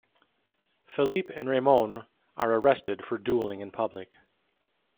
Felipe and Ramon are arrested for dueling in public.